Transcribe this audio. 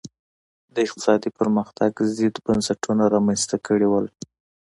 د اقتصادي پرمختګ ضد بنسټونه رامنځته کړي وو.